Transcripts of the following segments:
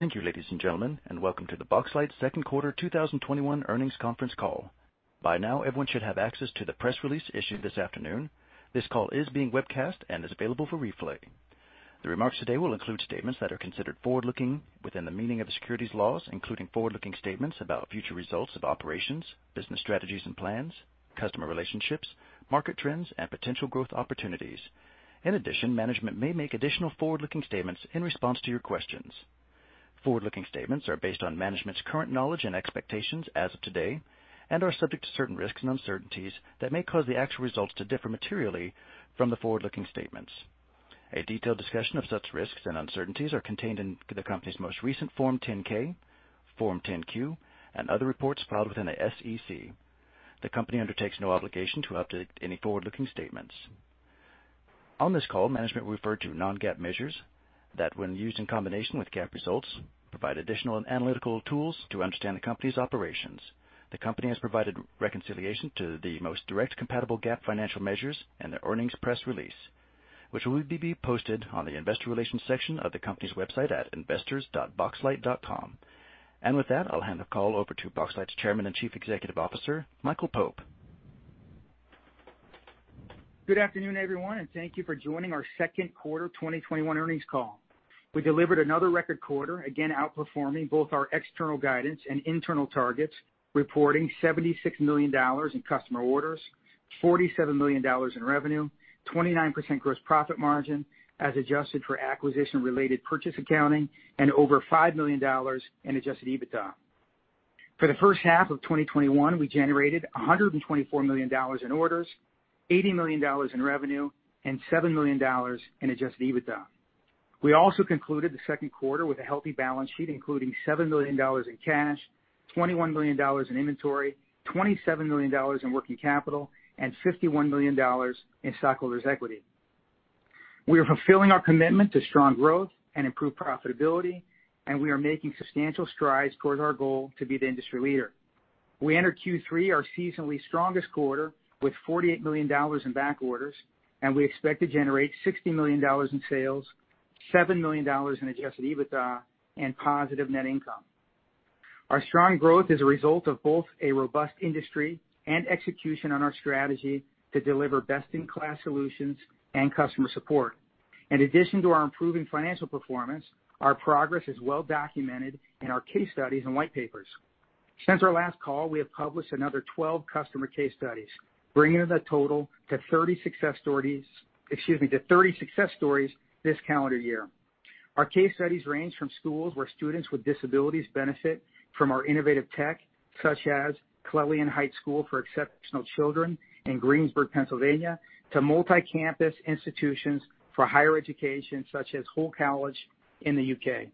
Thank you, ladies and gentlemen, and welcome to the Boxlight second quarter 2021 earnings conference call. By now, everyone should have access to the press release issued this afternoon. This call is being webcast and is available for replay. The remarks today will include statements that are considered forward-looking within the meaning of the securities laws, including forward-looking statements about future results of operations, business strategies and plans, customer relationships, market trends, and potential growth opportunities. In addition, management may make additional forward-looking statements in response to your questions. Forward-looking statements are based on management's current knowledge and expectations as of today, and are subject to certain risks and uncertainties that may cause the actual results to differ materially from the forward-looking statements. A detailed discussion of such risks and uncertainties are contained in the company's most recent Form 10-K, Form 10-Q, and other reports filed within the SEC. The company undertakes no obligation to update any forward-looking statements. On this call, management will refer to non-GAAP measures that, when used in combination with GAAP results, provide additional analytical tools to understand the company's operations. The company has provided reconciliation to the most direct compatible GAAP financial measures in the earnings press release, which will be posted on the investor relations section of the company's website at investors.boxlight.com. With that, I'll hand the call over to Boxlight's Chairman and Chief Executive Officer, Michael Pope. Good afternoon, everyone, and thank you for joining our second quarter 2021 earnings call. We delivered another record quarter, again outperforming both our external guidance and internal targets, reporting $76 million in customer orders, $47 million in revenue, 29% gross profit margin as adjusted for acquisition-related purchase accounting, and over $5 million in adjusted EBITDA. For the first half of 2021, we generated $124 million in orders, $80 million in revenue, and $7 million in adjusted EBITDA. We also concluded the second quarter with a healthy balance sheet, including $7 million in cash, $21 million in inventory, $27 million in working capital, and $51 million in stockholders' equity. We are fulfilling our commitment to strong growth and improved profitability, and we are making substantial strides towards our goal to be the industry leader. We enter Q3, our seasonally strongest quarter, with $48 million in back orders. We expect to generate $60 million in sales, $7 million in adjusted EBITDA, and positive net income. Our strong growth is a result of both a robust industry and execution on our strategy to deliver best-in-class solutions and customer support. In addition to our improving financial performance, our progress is well-documented in our case studies and white papers. Since our last call, we have published another 12 customer case studies, bringing the total to 30 success stories this calendar year. Our case studies range from schools where students with disabilities benefit from our innovative tech, such as Clelian Heights School for Exceptional Children in Greensburg, Pennsylvania, to multi-campus institutions for higher education, such as Hull College in the U.K.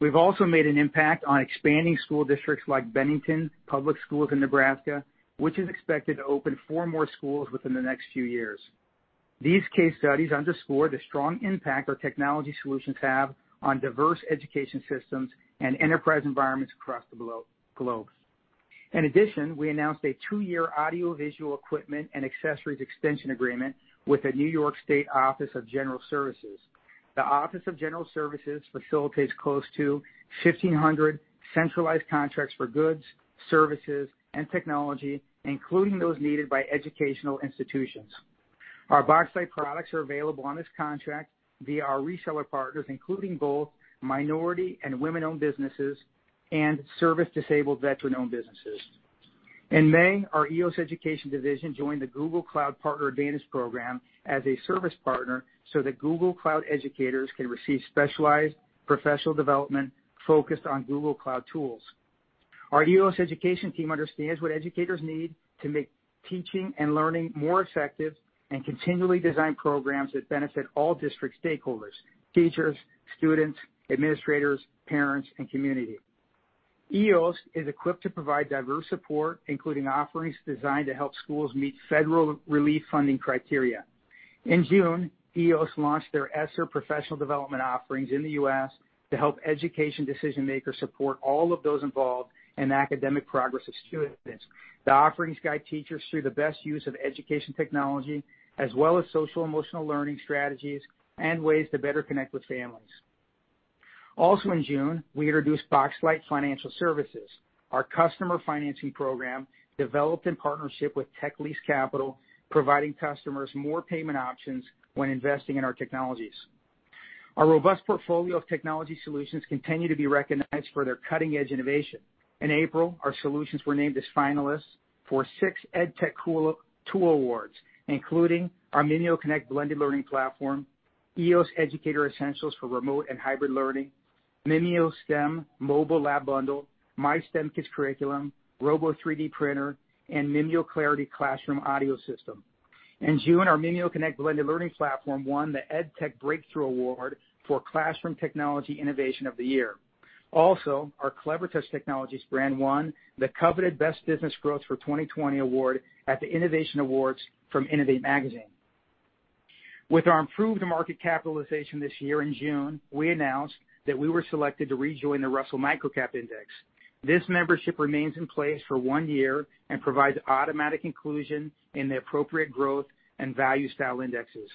We've also made an impact on expanding school districts like Bennington Public Schools in Nebraska, which is expected to open four more schools within the next few years. These case studies underscore the strong impact our technology solutions have on diverse education systems and enterprise environments across the globe. In addition, we announced a two-year audiovisual equipment and accessories extension agreement with the New York State Office of General Services. The Office of General Services facilitates close to 1,500 centralized contracts for goods, services, and technology, including those needed by educational institutions. Our Boxlight products are available on this contract via our reseller partners, including both minority and women-owned businesses and service-disabled veteran-owned businesses. In May, our EOS Education division joined the Google Cloud Partner Advantage Program as a service partner so that Google Cloud educators can receive specialized professional development focused on Google Cloud tools. Our EOS Education team understands what educators need to make teaching and learning more effective and continually design programs that benefit all district stakeholders, teachers, students, administrators, parents, and community. EOS is equipped to provide diverse support, including offerings designed to help schools meet federal relief funding criteria. In June, EOS launched their ESSER professional development offerings in the U.S. to help education decision-makers support all of those involved in the academic progress of students. The offerings guide teachers through the best use of education technology, as well as social-emotional learning strategies and ways to better connect with families. Also in June, we introduced Boxlight Financial Services, our customer financing program developed in partnership with TEQlease Capital, providing customers more payment options when investing in our technologies. Our robust portfolio of technology solutions continue to be recognized for their cutting-edge innovation. In April, our solutions were named as finalists for six EdTech tool awards, including our MimioConnect blended learning platform, EOS Educator Essentials for remote and hybrid learning, MimioSTEM Mobile STEM Lab Bundle, MyStemKits curriculum, Robo 3D printer, and MimioClarity classroom audio system. In June, our MimioConnect blended learning platform won the EdTech Breakthrough Award for Classroom Technology Innovation of the Year. Also, our Clevertouch Technologies brand won the coveted Best Business Growth for 2020 award at the Inavation Awards from Inavate Magazine. With our improved market capitalization this year in June, we announced that we were selected to rejoin the Russell Microcap Index. This membership remains in place for one year and provides automatic inclusion in the appropriate growth and value style indexes.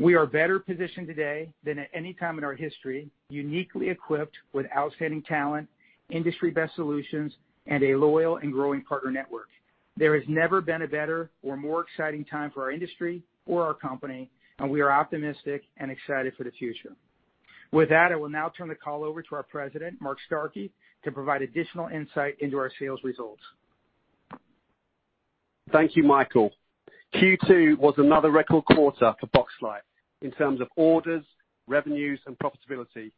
We are better positioned today than at any time in our history, uniquely equipped with outstanding talent, industry-best solutions, and a loyal and growing partner network. There has never been a better or more exciting time for our industry or our company, and we are optimistic and excited for the future. With that, I will now turn the call over to our President, Mark Starkey, to provide additional insight into our sales results. Thank you, Michael. Q2 was another record quarter for Boxlight in terms of orders, revenues, and profitability.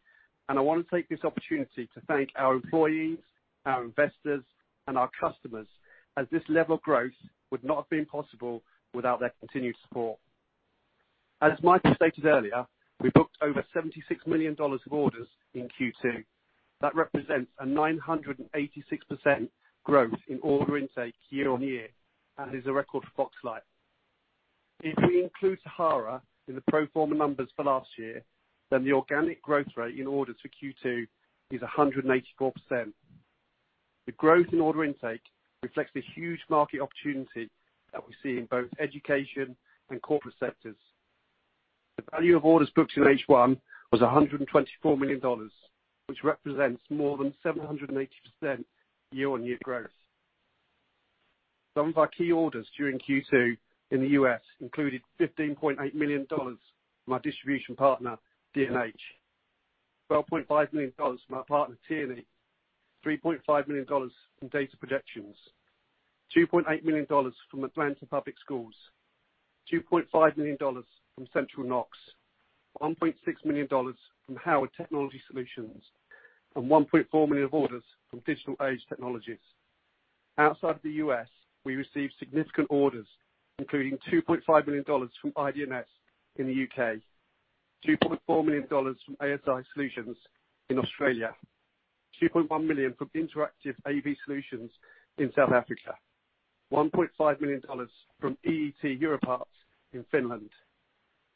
I want to take this opportunity to thank our employees, our investors, and our customers, as this level of growth would not have been possible without their continued support. As Michael stated earlier, we booked over $76 million of orders in Q2. That represents a 986% growth in order intake year-over-year, and is a record for Boxlight. If we include Sahara in the pro forma numbers for last year, then the organic growth rate in orders for Q2 is 184%. The growth in order intake reflects the huge market opportunity that we see in both education and corporate sectors. The value of orders booked in H1 was $124 million, which represents more than 780% year-over-year growth. Some of our key orders during Q2 in the U.S. included $15.8 million from our distribution partner, D&H, $12.5 million from our partner, Tierney, $3.5 million from Data Projections, $2.8 million from Atlanta Public Schools, $2.5 million from Central Bucks, $1.6 million from Howard Technology Solutions, and $1.4 million of orders from Digital Age Technologies. Outside of the U.S., we received significant orders, including $2.5 million from IDNS in the U.K., $2.4 million from ASI Solutions in Australia, $2.1 million from Interactive AV Solutions in South Africa, $1.5 million from EET Europarts in Finland,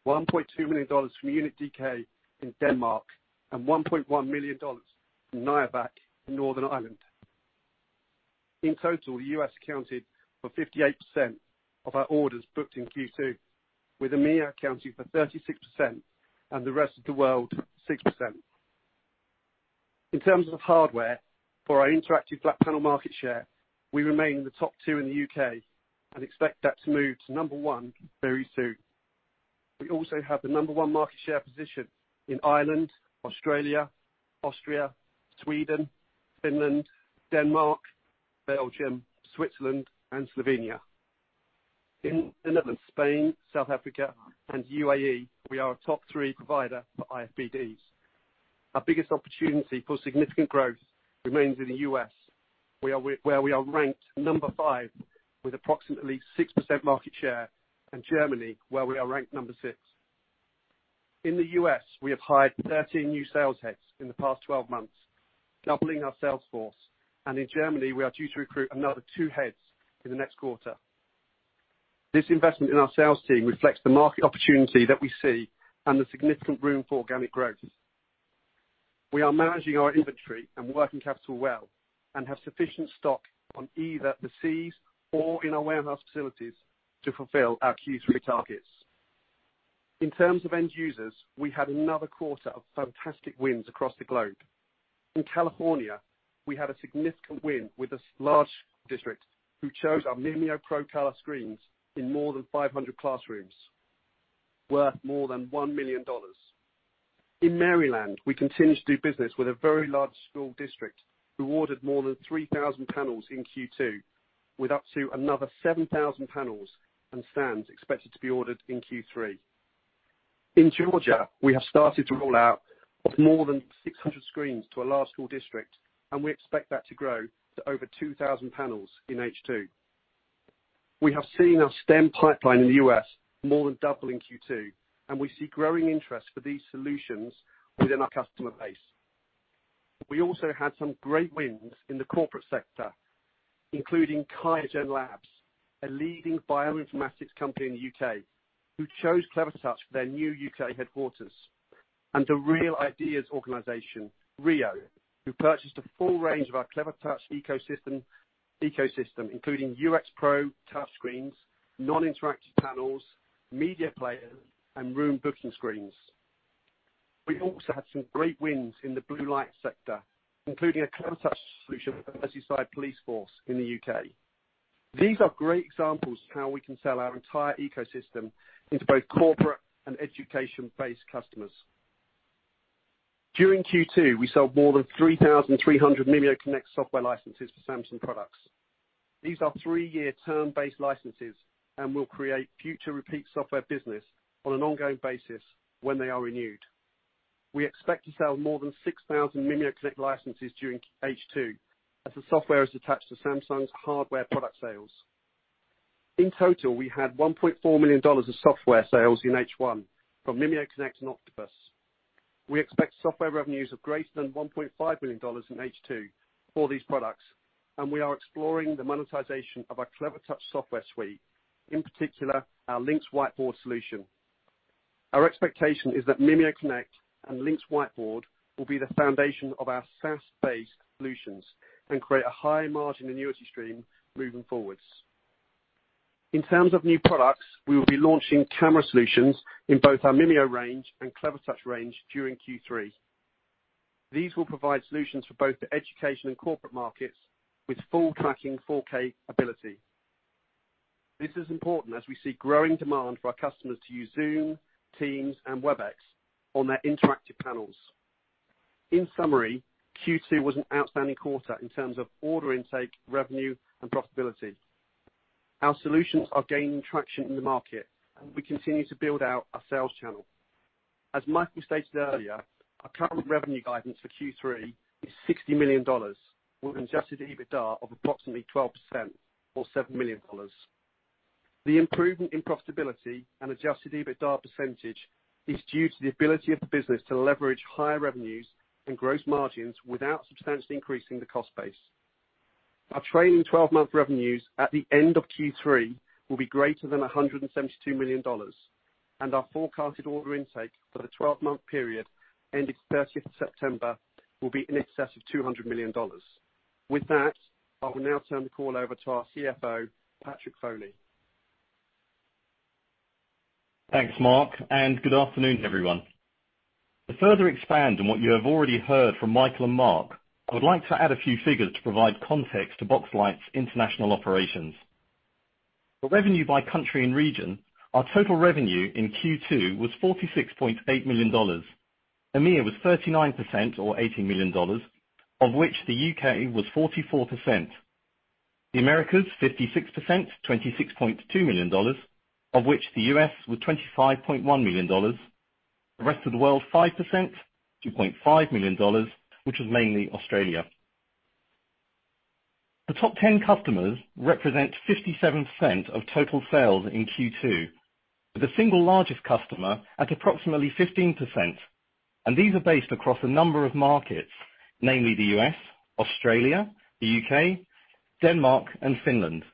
$1.2 million from Unit DK in Denmark, and $1.1 million from Niavac in Northern Ireland. In total, the U.S. accounted for 58% of our orders booked in Q2, with EMEA accounting for 36%, and the rest of the world, 6%. In terms of hardware for our interactive flat panel market share, we remain the top two in the U.K. and expect that to move to number one very soon. We also have the number one market share position in Ireland, Australia, Austria, Sweden, Finland, Denmark, Belgium, Switzerland, and Slovenia. In the Netherlands, Spain, South Africa, and U.A.E., we are a top three provider for IFPDs. Our biggest opportunity for significant growth remains in the U.S., where we are ranked number five with approximately 6% market share, and Germany, where we are ranked number six. In the U.S., we have hired 13 new sales heads in the past 12 months, doubling our sales force. In Germany, we are due to recruit another two heads in the next quarter. This investment in our sales team reflects the market opportunity that we see and the significant room for organic growth. We are managing our inventory and working capital well and have sufficient stock on either the seas or in our warehouse facilities to fulfill our Q3 targets. In terms of end users, we had another quarter of fantastic wins across the globe. In California, we had a significant win with a large district who chose our MimioPro color screens in more than 500 classrooms, worth more than $1 million. In Maryland, we continue to do business with a very large school district who ordered more than 3,000 panels in Q2, with up to another 7,000 panels and stands expected to be ordered in Q3. In Georgia, we have started to roll out of more than 600 screens to a large school district, and we expect that to grow to over 2,000 panels in H2. We have seen our STEM pipeline in the U.S. more than double in Q2. We see growing interest for these solutions within our customer base. We also had some great wins in the corporate sector, including QIAGEN Labs, a leading bioinformatics company in the U.K., who chose Clevertouch for their new U.K. headquarters, and the Real Ideas Organisation, RIO, who purchased a full range of our Clevertouch ecosystem, including UX Pro touch screens, non-interactive panels, media players, and room booking screens. We also had some great wins in the blue light sector, including a Clevertouch solution for Merseyside Police Force in the U.K. These are great examples of how we can sell our entire ecosystem into both corporate and education-based customers. During Q2, we sold more than 3,300 MimioConnect software licenses for Samsung products. These are three-year term-based licenses and will create future repeat software business on an ongoing basis when they are renewed. We expect to sell more than 6,000 MimioConnect licenses during H2, as the software is attached to Samsung's hardware product sales. In total, we had $1.4 million of software sales in H1 from MimioConnect and OKTOPUS. We expect software revenues of greater than $1.5 million in H2 for these products, and we are exploring the monetization of our Clevertouch software suite, in particular our LYNX Whiteboard solution. Our expectation is that MimioConnect and LYNX Whiteboard will be the foundation of our SaaS-based solutions and create a high margin annuity stream moving forwards. In terms of new products, we will be launching camera solutions in both our Mimio range and Clevertouch range during Q3. These will provide solutions for both the education and corporate markets with full tracking 4K ability. This is important as we see growing demand for our customers to use Zoom, Teams, and Webex on their interactive panels. In summary, Q2 was an outstanding quarter in terms of order intake, revenue, and profitability. Our solutions are gaining traction in the market, we continue to build out our sales channel. As Michael stated earlier, our current revenue guidance for Q3 is $60 million, with an adjusted EBITDA of approximately 12% or $7 million. The improvement in profitability and adjusted EBITDA percentage is due to the ability of the business to leverage higher revenues and gross margins without substantially increasing the cost base. Our trailing 12-month revenues at the end of Q3 will be greater than $172 million, our forecasted order intake for the 12-month period ending 30th September will be in excess of $200 million. With that, I will now turn the call over to our CFO, Patrick Foley. Thanks, Mark. Good afternoon, everyone. To further expand on what you have already heard from Michael and Mark, I would like to add a few figures to provide context to Boxlight's international operations. For revenue by country and region, our total revenue in Q2 was $46.8 million. EMEA was 39% or $80 million, of which the U.K. was 44%. The Americas, 56%, $26.2 million, of which the U.S. was $25.1 million. The rest of the world, 5%, $2.5 million, which was mainly Australia. The top 10 customers represent 57% of total sales in Q2, with the single largest customer at approximately 15%. These are based across a number of markets, namely the U.S., Australia, the U.K., Denmark, and Finland.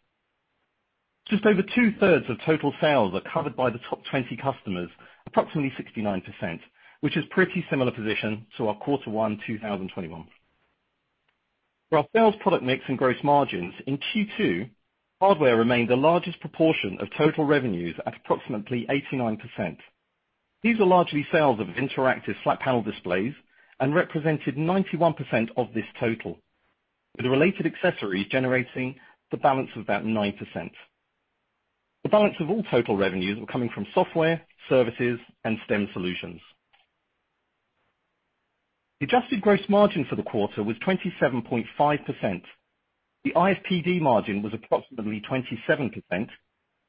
Just over two-thirds of total sales are covered by the top 20 customers, approximately 69%, which is pretty similar position to our quarter one 2021. For our sales product mix and gross margins, in Q2, hardware remained the largest proportion of total revenues at approximately 89%. These are largely sales of interactive flat panel displays and represented 91% of this total, with the related accessories generating the balance of about 9%. The balance of all total revenues were coming from software, services, and STEM solutions. The adjusted gross margin for the quarter was 27.5%. The IFPD margin was approximately 27%,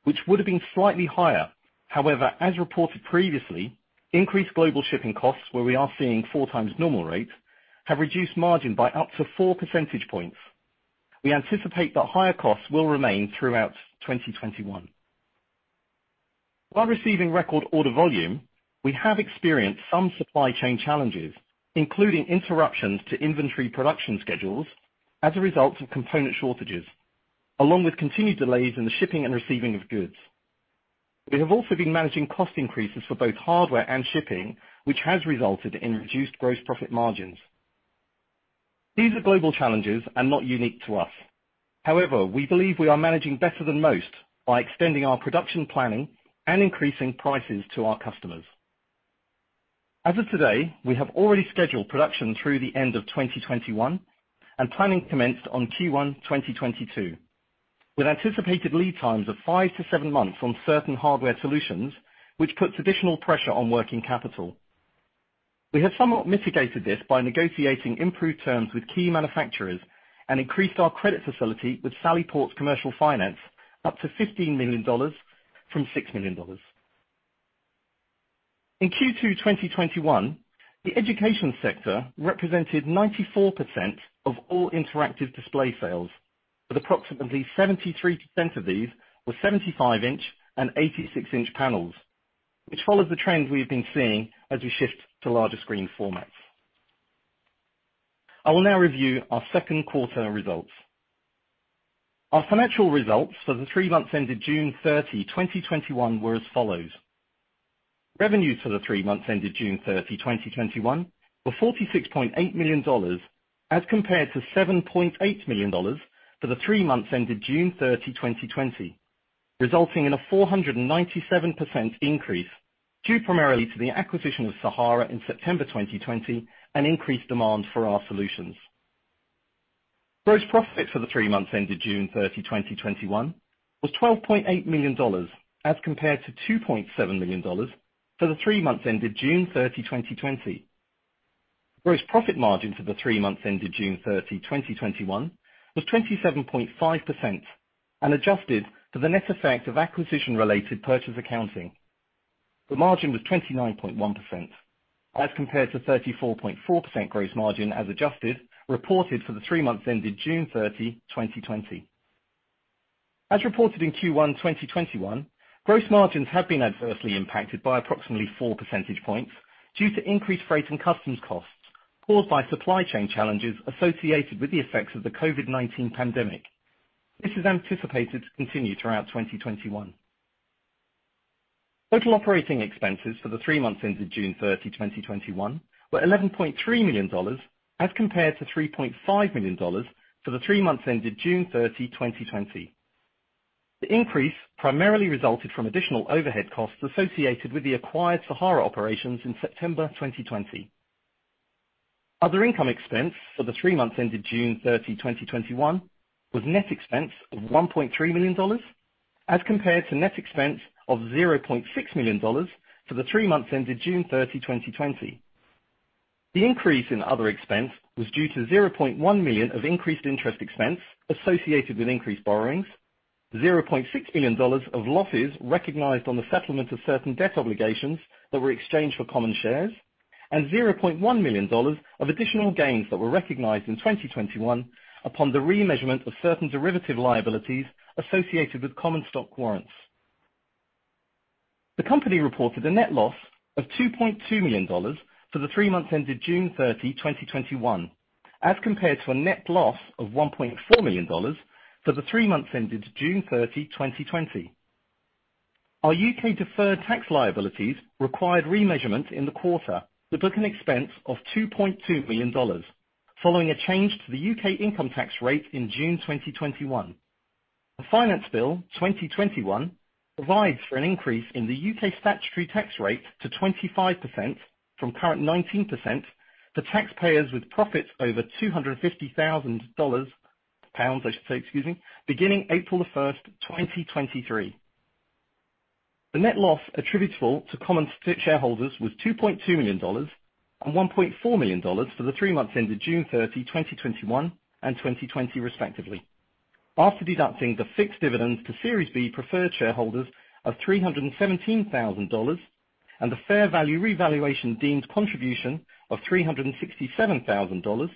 which would have been slightly higher. As reported previously, increased global shipping costs, where we are seeing four times normal rates, have reduced margin by up to four percentage points. We anticipate that higher costs will remain throughout 2021. While receiving record order volume, we have experienced some supply chain challenges, including interruptions to inventory production schedules as a result of component shortages, along with continued delays in the shipping and receiving of goods. We have also been managing cost increases for both hardware and shipping, which has resulted in reduced gross profit margins. These are global challenges and not unique to us. We believe we are managing better than most by extending our production planning and increasing prices to our customers. As of today, we have already scheduled production through the end of 2021, and planning commenced on Q1 2022, with anticipated lead times of 5-7 months on certain hardware solutions, which puts additional pressure on working capital. We have somewhat mitigated this by negotiating improved terms with key manufacturers and increased our credit facility with Sallyport Commercial Finance up to $15 million from $6 million. In Q2 2021, the education sector represented 94% of all interactive display sales, with approximately 73% of these were 75-inch and 86-inch panels. Which follows the trend we've been seeing as we shift to larger screen formats. I will now review our second quarter results. Our financial results for the three months ended June 30, 2021 were as follows. Revenues for the three months ended June 30, 2021 were $46.8 million as compared to $7.8 million for the three months ended June 30, 2020, resulting in a 497% increase due primarily to the acquisition of Sahara in September 2020 and increased demand for our solutions. Gross profit for the three months ended June 30, 2021 was $12.8 million, as compared to $2.7 million for the three months ended June 30, 2020. Gross profit margins for the three months ended June 30, 2021 was 27.5% and adjusted for the net effect of acquisition-related purchase accounting. The margin was 29.1%, as compared to 34.4% gross margin as adjusted, reported for the three months ended June 30, 2020. As reported in Q1 2021, gross margins have been adversely impacted by approximately 4 percentage points due to increased freight and customs costs caused by supply chain challenges associated with the effects of the COVID-19 pandemic. This is anticipated to continue throughout 2021. Total operating expenses for the three months ended June 30, 2021 were $11.3 million, as compared to $3.5 million for the three months ended June 30, 2020. The increase primarily resulted from additional overhead costs associated with the acquired Sahara operations in September 2020. Other income expense for the three months ended June 30, 2021 was net expense of $1.3 million, as compared to net expense of $0.6 million for the three months ended June 30, 2020. The increase in other expense was due to $0.1 million of increased interest expense associated with increased borrowings, $0.6 million of losses recognized on the settlement of certain debt obligations that were exchanged for common shares, and $0.1 million of additional gains that were recognized in 2021 upon the remeasurement of certain derivative liabilities associated with common stock warrants. The company reported a net loss of $2.2 million for the three months ended June 30, 2021, as compared to a net loss of $1.4 million for the three months ended June 30, 2020. Our U.K. deferred tax liabilities required remeasurement in the quarter that took an expense of $2.2 million following a change to the U.K. income tax rate in June 2021. The Finance Bill 2021 provides for an increase in the U.K. statutory tax rate to 25% from current 19% for taxpayers with profits over $250,000. Pounds, I should say. Excuse me. Beginning April 1, 2023. The net loss attributable to common shareholders was $2.2 million and $1.4 million for the three months ended June 30, 2021 and 2020 respectively, after deducting the fixed dividends to Series B preferred shareholders of $317,000 and the fair value revaluation deemed contribution of $367,000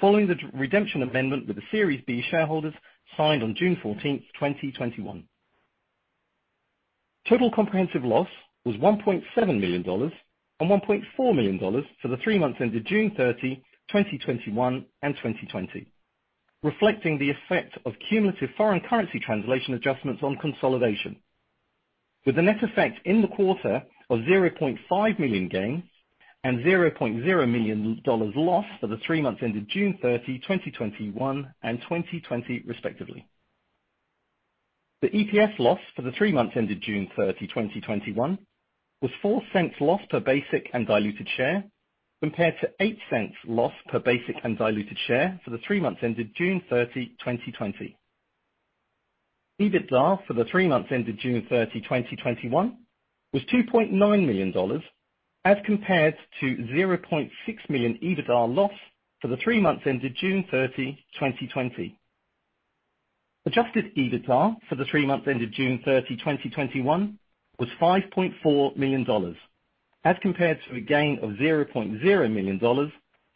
following the redemption amendment with the Series B shareholders signed on June 14, 2021. Total comprehensive loss was $1.7 million and $1.4 million for the three months ended June 30, 2021 and 2020, reflecting the effect of cumulative foreign currency translation adjustments on consolidation, with a net effect in the quarter of $0.5 million gain and $0.0 million loss for the three months ended June 30, 2021 and 2020 respectively. The EPS loss for the three months ended June 30, 2021 was $0.04 loss per basic and diluted share, compared to $0.08 loss per basic and diluted share for the three months ended June 30, 2020. EBITDA for the three months ended June 30, 2021 was $2.9 million as compared to $0.6 million EBITDA loss for the three months ended June 30, 2020. Adjusted EBITDA for the three months ended June 30, 2021 was $5.4 million, as compared to a gain of $0.0 million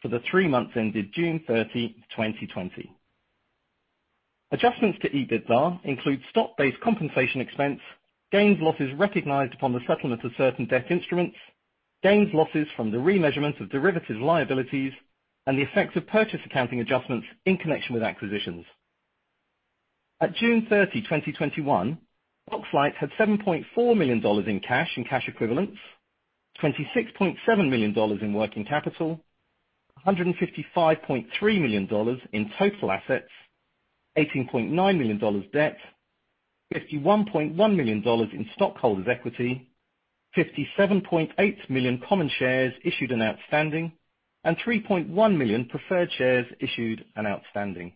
for the three months ended June 30, 2020. Adjustments to EBITDA include stock-based compensation expense, gains/losses recognized upon the settlement of certain debt instruments, gains/losses from the remeasurement of derivatives liabilities, and the effects of purchase accounting adjustments in connection with acquisitions. At June 30, 2021, Boxlight had $7.4 million in cash and cash equivalents, $26.7 million in working capital, $155.3 million in total assets, $18.9 million debt, $51.1 million in stockholders' equity, 57.8 million common shares issued and outstanding, and 3.1 million preferred shares issued and outstanding.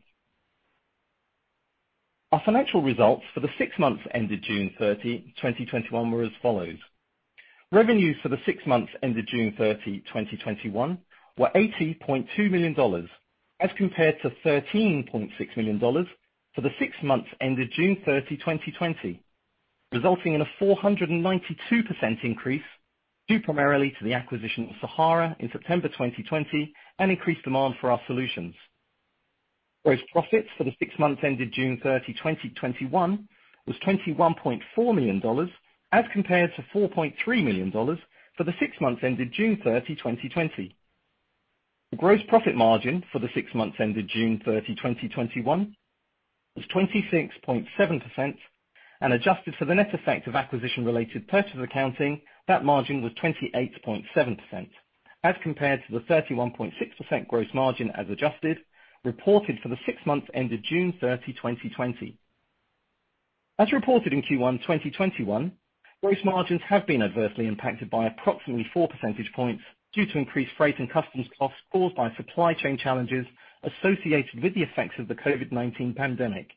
Our financial results for the six months ended June 30, 2021 were as follows. Revenues for the six months ended June 30, 2021 were $80.2 million, as compared to $13.6 million for the six months ended June 30, 2020, resulting in a 492% increase, due primarily to the acquisition of Sahara in September 2020 and increased demand for our solutions. Gross profits for the six months ended June 30, 2021 was $21.4 million as compared to $4.3 million for the six months ended June 30, 2020. The gross profit margin for the six months ended June 30, 2021 was 26.7%, and adjusted for the net effect of acquisition-related purchase accounting, that margin was 28.7%, as compared to the 31.6% gross margin as adjusted, reported for the six months ended June 30, 2020. As reported in Q1 2021, gross margins have been adversely impacted by approximately 4 percentage points due to increased freight and customs costs caused by supply chain challenges associated with the effects of the COVID-19 pandemic.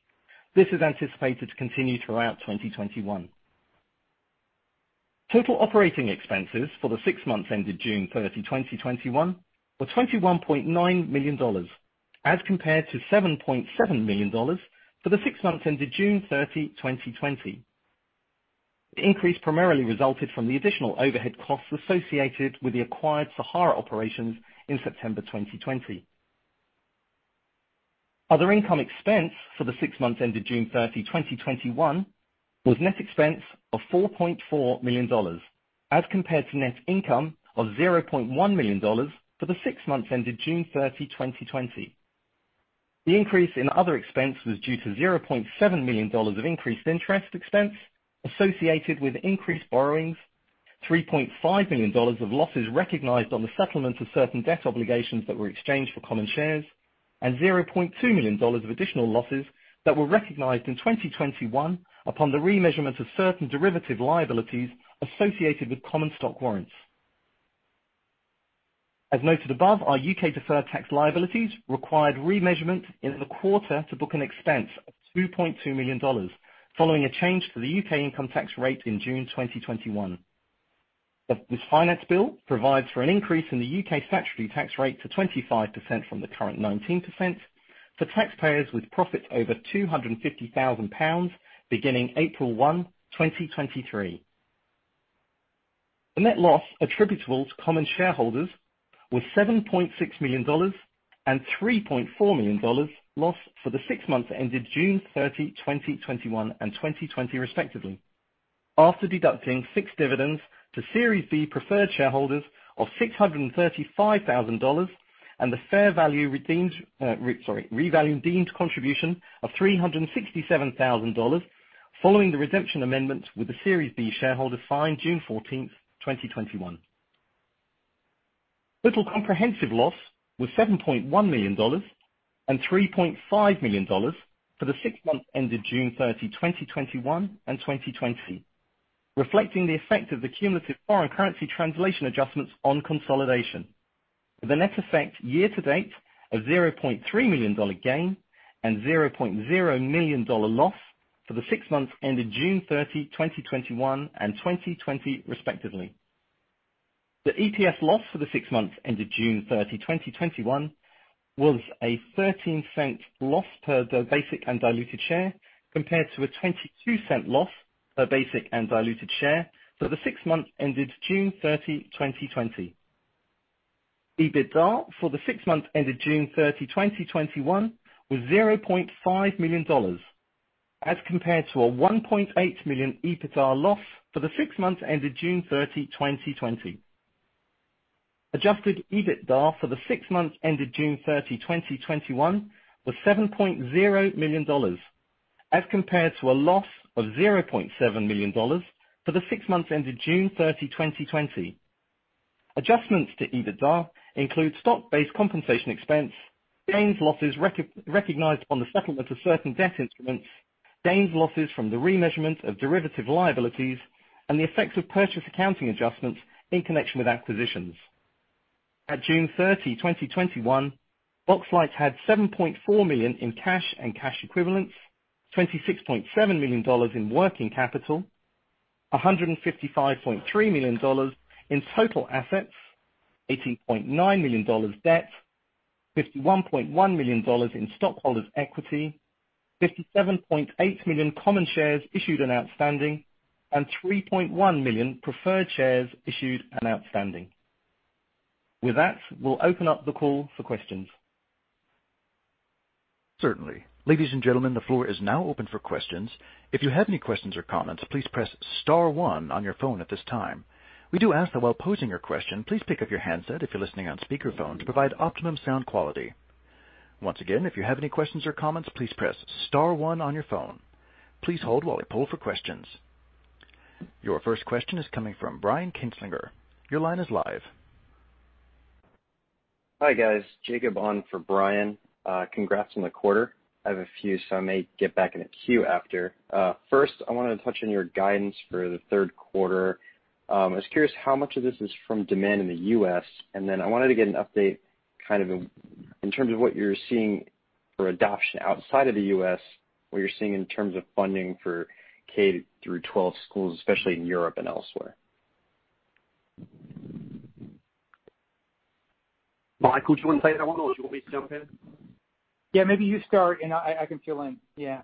This is anticipated to continue throughout 2021. Total operating expenses for the six months ended June 30, 2021 were $21.9 million, as compared to $7.7 million for the six months ended June 30, 2020. The increase primarily resulted from the additional overhead costs associated with the acquired Sahara operations in September 2020. Other income expense for the six months ended June 30, 2021 was net expense of $4.4 million as compared to net income of $0.1 million for the six months ended June 30, 2020. The increase in other expense was due to $0.7 million of increased interest expense associated with increased borrowings, $3.5 million of losses recognized on the settlement of certain debt obligations that were exchanged for common shares, and $0.2 million of additional losses that were recognized in 2021 upon the remeasurement of certain derivative liabilities associated with common stock warrants. As noted above, our U.K. deferred tax liabilities required remeasurement in the quarter to book an expense of $2.2 million, following a change to the U.K. income tax rate in June 2021. This Finance Bill provides for an increase in the U.K. statutory tax rate to 25% from the current 19% for taxpayers with profits over 250,000 pounds beginning April 1, 2023. The net loss attributable to common shareholders was $7.6 million and $3.4 million loss for the six months ended June 30, 2021, and 2020 respectively, after deducting fixed dividends to Series B preferred shareholders of $635,000 and the fair value redeemed, sorry, revalued deemed contribution of $367,000 following the redemption amendment with the Series B shareholders signed June 14, 2021. Total comprehensive loss was $7.1 million and $3.5 million for the six months ended June 30, 2021, and 2020, reflecting the effect of the cumulative foreign currency translation adjustments on consolidation, with a net effect year to date of $0.3 million gain and $0.0 million loss for the six months ended June 30, 2021, and 2020 respectively. The EPS loss for the six months ended June 30, 2021, was a $0.13 loss per the basic and diluted share, compared to a $0.22 loss per basic and diluted share for the six months ended June 30, 2020. EBITDA for the six months ended June 30, 2021, was $0.5 million as compared to a $1.8 million EBITDA loss for the six months ended June 30, 2020. Adjusted EBITDA for the six months ended June 30, 2021, was $7.0 million as compared to a loss of $0.7 million for the six months ended June 30, 2020. Adjustments to EBITDA include stock-based compensation expense, gains/losses recognized on the settlement of certain debt instruments, gains/losses from the remeasurement of derivative liabilities, and the effects of purchase accounting adjustments in connection with acquisitions. At June 30, 2021, Boxlight had $7.4 million in cash and cash equivalents, $26.7 million in working capital, $155.3 million in total assets, $18.9 million debt, $51.1 million in stockholders' equity, 57.8 million common shares issued and outstanding, and 3.1 million preferred shares issued and outstanding. With that, we will open up the call for questions. Certainly. Ladies and gentlemen, the floor is now open for questions. If you have any questions or comments, please press star one on your phone at this time. We do ask that while posing your question, please pick up your handset if you're listening on speakerphone to provide optimum sound quality. Once again, if you have any questions or comments, please press star one on your phone. Your first question is coming from Brian Kinstlinger. Your line is live. Hi, guys. Jacob on for Brian. Congrats on the quarter. I have a few, so I may get back in the queue after. First, I wanted to touch on your guidance for the third quarter. I was curious how much of this is from demand in the U.S., and then I wanted to get an update in terms of what you're seeing for adoption outside of the U.S., what you're seeing in terms of funding for K-12 schools, especially in Europe and elsewhere. Michael, do you want to take that one, or do you want me to jump in? Yeah, maybe you start and I can fill in. Yeah.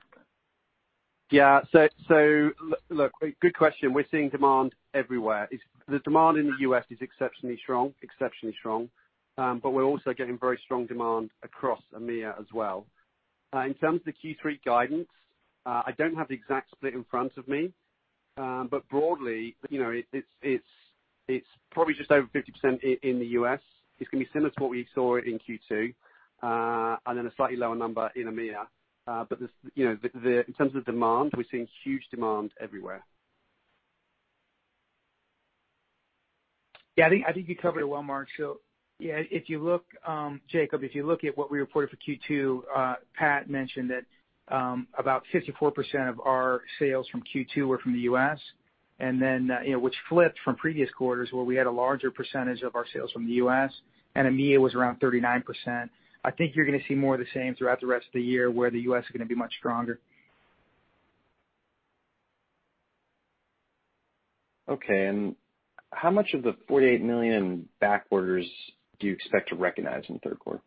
Look, good question. We're seeing demand everywhere. The demand in the U.S. is exceptionally strong. We're also getting very strong demand across EMEA as well. In terms of the Q3 guidance, I don't have the exact split in front of me. Broadly it's probably just over 50% in the U.S. It's going to be similar to what we saw in Q2, and then a slightly lower number in EMEA. In terms of demand, we're seeing huge demand everywhere. I think you covered it well, Mark. Jacob, if you look at what we reported for Q2, Pat mentioned that about 54% of our sales from Q2 were from the U.S., which flipped from previous quarters where we had a larger percentage of our sales from the U.S., and EMEA was around 39%. I think you're going to see more of the same throughout the rest of the year, where the U.S. is going to be much stronger. Okay. How much of the $48 million back orders do you expect to recognize in the third quarter?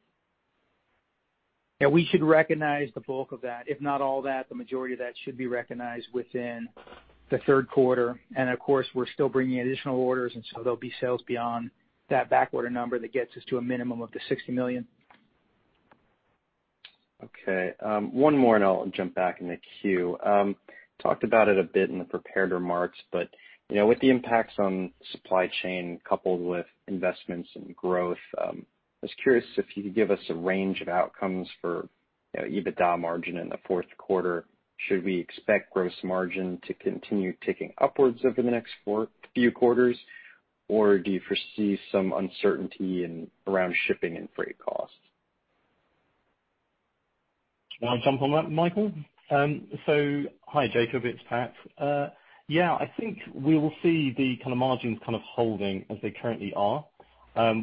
Yeah, we should recognize the bulk of that. If not all that, the majority of that should be recognized within the third quarter. Of course, we're still bringing additional orders. There'll be sales beyond that back order number that gets us to a minimum of $60 million. Okay. One more and I will jump back in the queue. You talked about it a bit in the prepared remarks, but with the impacts on supply chain coupled with investments and growth, I was curious if you could give us a range of outcomes for EBITDA margin in the fourth quarter. Should we expect gross margin to continue ticking upwards over the next few quarters, or do you foresee some uncertainty around shipping and freight costs? You want to jump on that, Michael? Hi, Jacob. It's Pat. I think we will see the margins kind of holding as they currently are.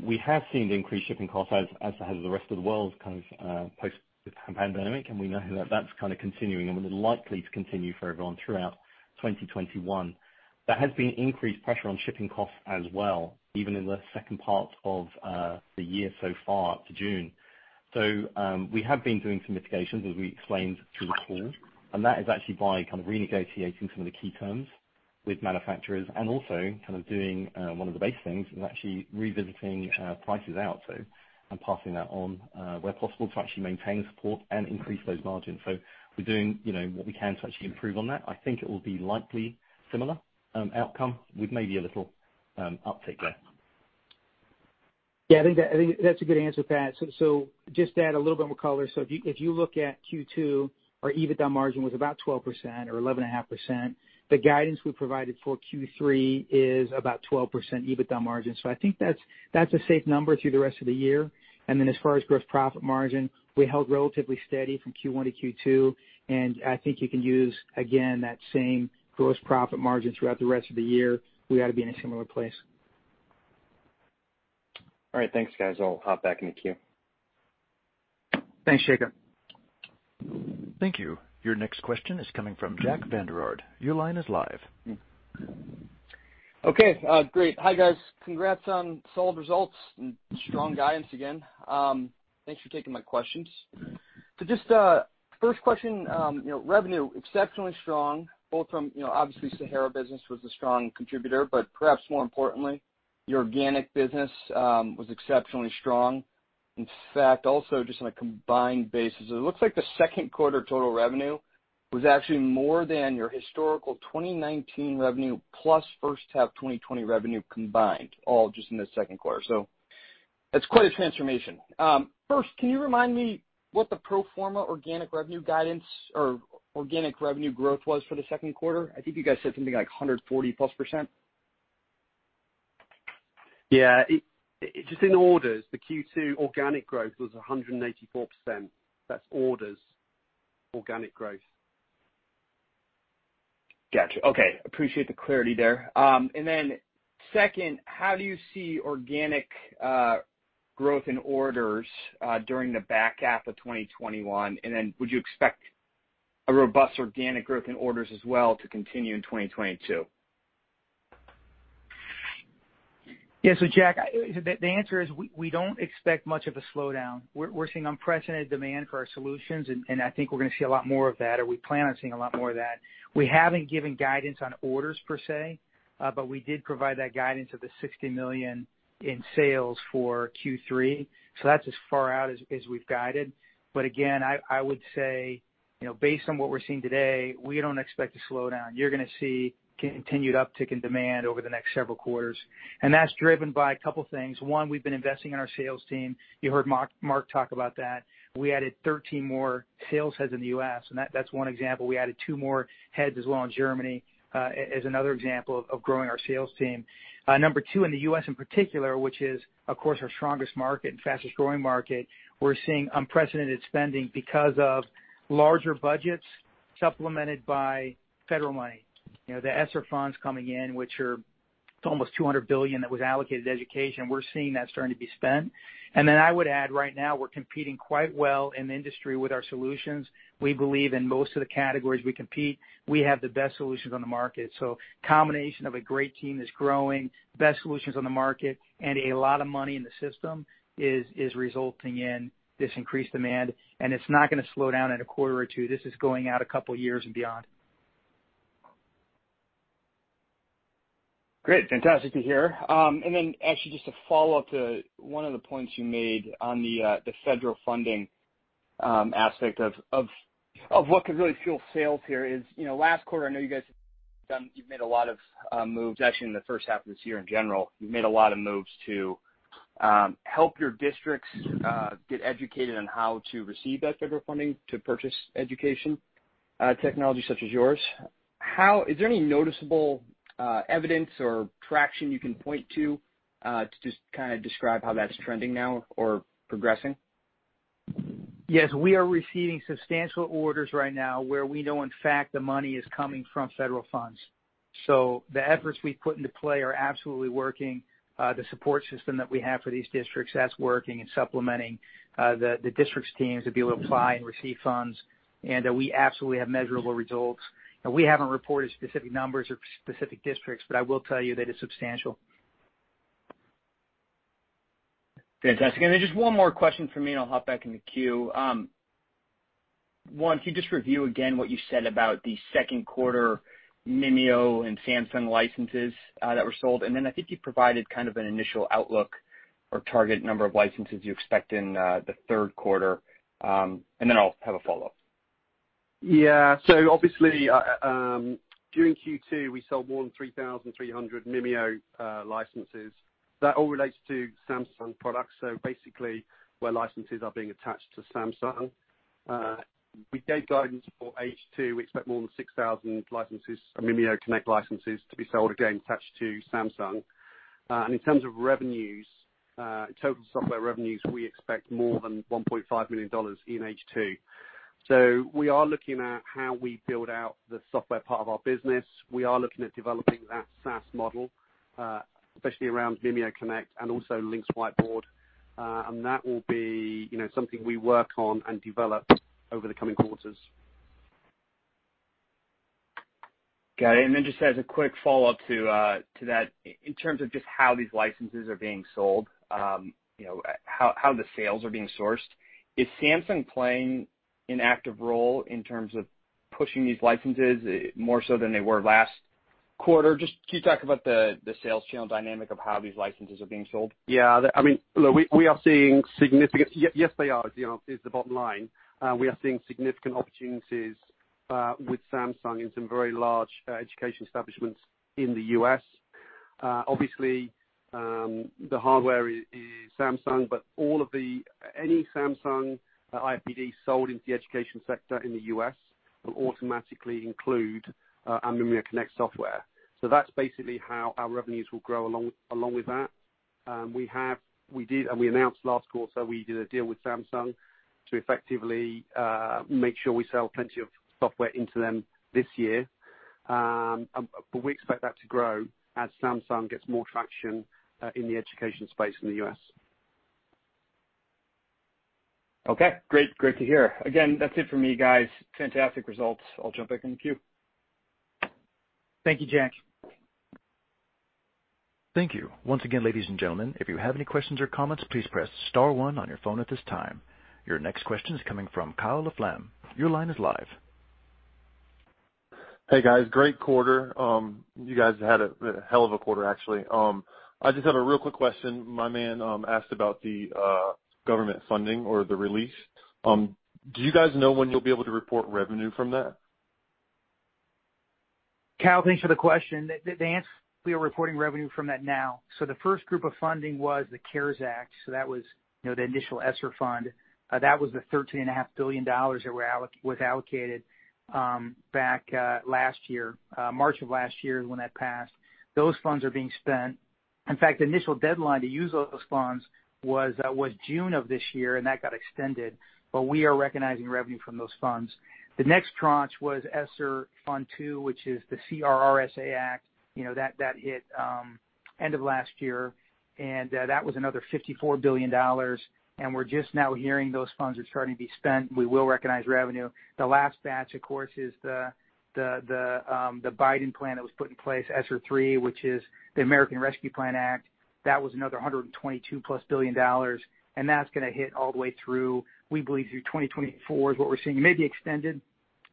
We have seen the increased shipping costs as has the rest of the world post-pandemic. We know that's kind of continuing and will likely to continue for everyone throughout 2021. There has been increased pressure on shipping costs as well, even in the second part of the year so far up to June. We have been doing some mitigations as we explained through the call, and that is actually by renegotiating some of the key terms with manufacturers and also doing one of the base things and actually revisiting prices out and passing that on where possible to actually maintain support and increase those margins. We're doing what we can to actually improve on that. I think it will be likely similar outcome with maybe a little uptick there. Yeah, I think that's a good answer, Pat. Just to add a little bit more color. If you look at Q2, our EBITDA margin was about 12% or 11.5%. The guidance we provided for Q3 is about 12% EBITDA margin. I think that's a safe number through the rest of the year. As far as gross profit margin, we held relatively steady from Q1 to Q2, and I think you can use, again, that same gross profit margin throughout the rest of the year. We ought to be in a similar place. All right. Thanks, guys. I'll hop back in the queue. Thanks, Jacob. Thank you. Your next question is coming from Jack Vander Aarde. Your line is live. Okay. Great. Hi, guys. Congrats on solid results and strong guidance again. Thanks for taking my questions. Just first question, revenue exceptionally strong both from, obviously Sahara business was a strong contributor, but perhaps more importantly, your organic business was exceptionally strong. In fact, also just on a combined basis, it looks like the second quarter total revenue was actually more than your historical 2019 revenue plus first half 2020 revenue combined, all just in the second quarter. That's quite a transformation. First, can you remind me what the pro forma organic revenue guidance or organic revenue growth was for the second quarter? I think you guys said something like 140+%. Yeah. Just in orders, the Q2 organic growth was 184%. That's orders organic growth. Got you. Okay, appreciate the clarity there. Second, how do you see organic growth in orders during the back half of 2021? Would you expect a robust organic growth in orders as well to continue in 2022? Yeah. Jack, the answer is we don't expect much of a slowdown. We're seeing unprecedented demand for our solutions, and I think we're going to see a lot more of that, or we plan on seeing a lot more of that. We haven't given guidance on orders per se, but we did provide that guidance of the $60 million in sales for Q3, so that's as far out as we've guided. Again, I would say based on what we're seeing today, we don't expect a slowdown. You're going to see continued uptick in demand over the next several quarters, and that's driven by two things. One, we've been investing in our sales team. You heard Mark Starkey talk about that. We added 13 more sales heads in the U.S., and that's one example. We added two more heads as well in Germany as another example of growing our sales team. Number two, in the U.S. in particular, which is of course our strongest market and fastest growing market, we're seeing unprecedented spending because of larger budgets supplemented by federal money. The ESSER funds coming in, which are almost $200 billion that was allocated to education. We're seeing that starting to be spent. I would add right now we're competing quite well in the industry with our solutions. We believe in most of the categories we compete, we have the best solutions on the market. Combination of a great team that's growing, best solutions on the market, and a lot of money in the system is resulting in this increased demand, and it's not going to slow down in a quarter or two. This is going out a couple years and beyond. Great. Fantastic to hear. Then actually just a follow-up to one of the points you made on the federal funding aspect of what could really fuel sales here is, last quarter, I know you guys have made a lot of moves, actually in the first half of this year in general, you've made a lot of moves to help your districts get educated on how to receive that federal funding to purchase education technology such as yours. Is there any noticeable evidence or traction you can point to to just kind of describe how that's trending now or progressing? Yes, we are receiving substantial orders right now where we know in fact the money is coming from federal funds. The efforts we've put into play are absolutely working. The support system that we have for these districts, that's working and supplementing the districts' teams to be able to apply and receive funds. We absolutely have measurable results. We haven't reported specific numbers or specific districts, but I will tell you that it's substantial. Fantastic. Just one more question from me and I'll hop back in the queue. One, can you just review again what you said about the second quarter Mimio and Samsung licenses that were sold? I think you provided kind of an initial outlook or target number of licenses you expect in the third quarter. I'll have a follow-up. Obviously, during Q2, we sold more than 3,300 Mimio licenses. That all relates to Samsung products. Basically, where licenses are being attached to Samsung. We gave guidance for H2. We expect more than 6,000 licenses, MimioConnect licenses, to be sold, again, attached to Samsung. In terms of revenues, total software revenues, we expect more than $1.5 million in H2. We are looking at how we build out the software part of our business. We are looking at developing that SaaS model, especially around MimioConnect and also LYNX Whiteboard. That will be something we work on and develop over the coming quarters. Got it. Just as a quick follow-up to that, in terms of just how these licenses are being sold, how the sales are being sourced, is Samsung playing an active role in terms of pushing these licenses more so than they were last quarter? Can you talk about the sales channel dynamic of how these licenses are being sold? Yes, they are, is the bottom line. We are seeing significant opportunities with Samsung in some very large education establishments in the U.S. The hardware is Samsung, any Samsung IFPD sold into the education sector in the U.S. will automatically include our MimioConnect software. That's basically how our revenues will grow along with that. We announced last quarter we did a deal with Samsung to effectively make sure we sell plenty of software into them this year. We expect that to grow as Samsung gets more traction in the education space in the U.S. Okay, great to hear. Again, that's it for me, guys. Fantastic results. I'll jump back in the queue. Thank you, Jack. Your next question is coming from Kyle LaFlamme. Hey, guys. Great quarter. You guys had a hell of a quarter, actually. I just have a real quick question. My man asked about the government funding or the release. Do you guys know when you'll be able to report revenue from that? Kyle, thanks for the question. The answer, we are reporting revenue from that now. The first group of funding was the CARES Act, that was the initial ESSER Fund. That was the $13.5 billion that was allocated back last year, March of last year when that passed. Those funds are being spent. In fact, the initial deadline to use those funds was June of this year, and that got extended, but we are recognizing revenue from those funds. The next tranche was ESSER Fund II, which is the CRRSA Act. That hit end of last year, and that was another $54 billion, and we're just now hearing those funds are starting to be spent. We will recognize revenue. The last batch, of course, is the Biden plan that was put in place, ESSER III, which is the American Rescue Plan Act. That was another $122+ billion. That's going to hit all the way through, we believe, through 2024 is what we're seeing. It may be extended.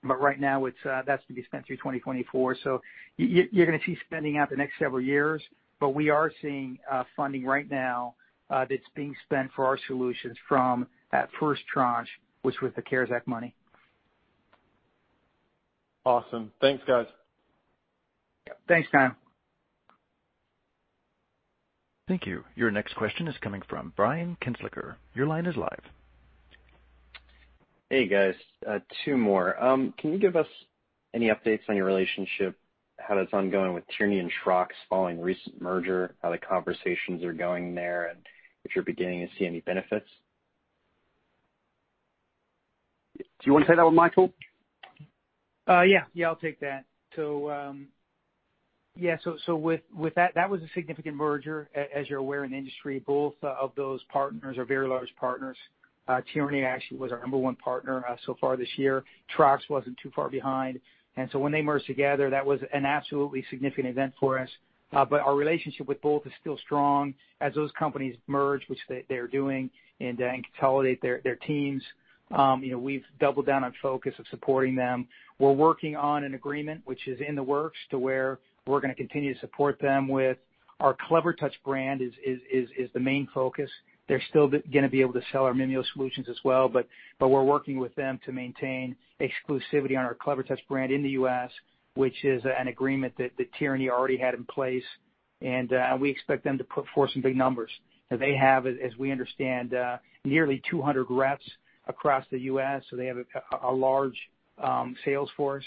Right now that's going to be spent through 2024. You're going to see spending out the next several years. We are seeing funding right now that's being spent for our solutions from that first tranche, which was the CARES Act money. Awesome. Thanks, guys. Thanks, Kyle. Thank you. Your next question is coming from Brian Kinstlinger. Your line is live. Hey, guys. Two more. Can you give us any updates on your relationship, how that's ongoing with Tierney and Trox following recent merger, how the conversations are going there, and if you're beginning to see any benefits? Do you want to take that one, Michael? Yeah. I'll take that. With that was a significant merger, as you're aware, in the industry. Both of those partners are very large partners. Tierney actually was our number one partner so far this year. Trox wasn't too far behind. When they merged together, that was an absolutely significant event for us. Our relationship with both is still strong. As those companies merge, which they are doing, and consolidate their teams, we've doubled down on focus of supporting them. We're working on an agreement, which is in the works to where we're going to continue to support them with our Clevertouch brand is the main focus. They're still going to be able to sell our Mimio solutions as well, but we're working with them to maintain exclusivity on our Clevertouch brand in the U.S., which is an agreement that Tierney already had in place. We expect them to put forth some big numbers. Now they have, as we understand, nearly 200 reps across the U.S., so they have a large sales force.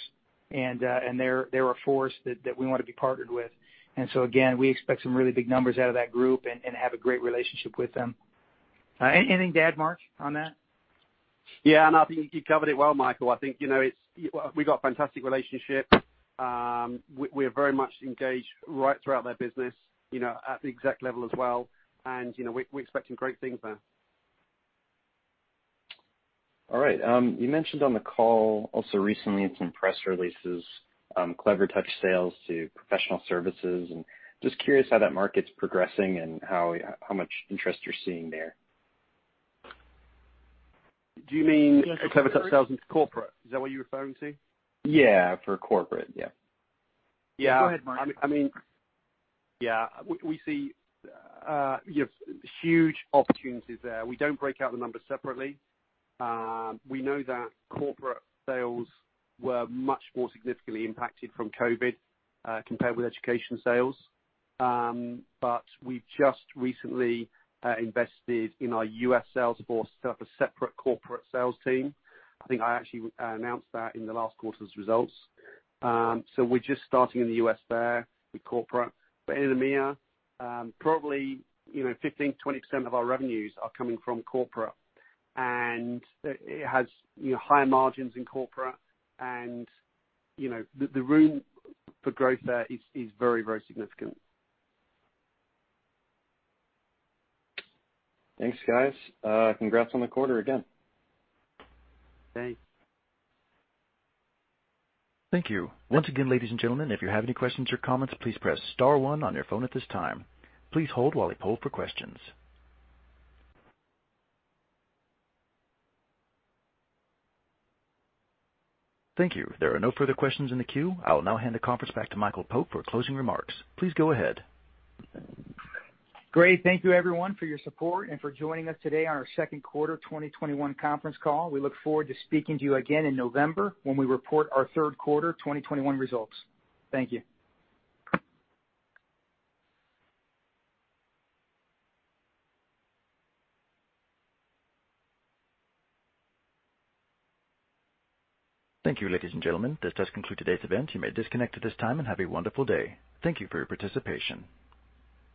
They're a force that we want to be partnered with. Again, we expect some really big numbers out of that group and have a great relationship with them. Anything to add, Mark, on that? Yeah, no, I think you covered it well, Michael. I think we got a fantastic relationship. We are very much engaged right throughout their business at the exec level as well, and we're expecting great things there. All right. You mentioned on the call also recently in some press releases Clevertouch sales to professional services. Just curious how that market's progressing and how much interest you're seeing there. Do you mean Clevertouch sales into corporate? Is that what you're referring to? Yeah, for corporate. Yeah. Yeah. Go ahead, Mark. We see huge opportunities there. We don't break out the numbers separately. We know that corporate sales were much more significantly impacted from COVID, compared with education sales. We just recently invested in our U.S. sales force to set up a separate corporate sales team. I think I actually announced that in the last quarter's results. We're just starting in the U.S. there with corporate. In EMEA, probably 15%-20% of our revenues are coming from corporate, and it has higher margins in corporate, and the room for growth there is very significant. Thanks, guys. Congrats on the quarter again. Thanks. Thank you. Once again, ladies and gentlemen, if you have any questions or comments, please press star one on your phone at this time. Please hold while we poll for questions. Thank you. There are no further questions in the queue. I will now hand the conference back to Michael Pope for closing remarks. Please go ahead. Great. Thank you, everyone, for your support and for joining us today on our second quarter 2021 conference call. We look forward to speaking to you again in November, when we report our third quarter 2021 results. Thank you. Thank you, ladies and gentlemen. This does conclude today's event. You may disconnect at this time, and have a wonderful day. Thank you for your participation.